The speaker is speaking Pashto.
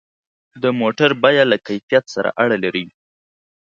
د موټر بیه له کیفیت سره اړه لري.